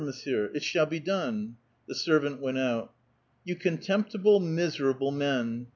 Monsieur? It shall be done." The servant went out. " Y'ou contemptible, miserable men